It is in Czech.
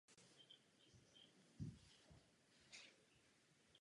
Presbytář je ukončen polygonálním uzávěrem.